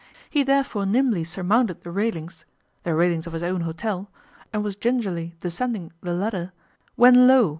He therefore nimbly surmounted the railings the railings of his own hotel and was gingerly descending the ladder, when lo!